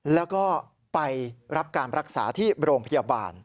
แล้วก็ไปรับการรักษาที่โรงพยาบาล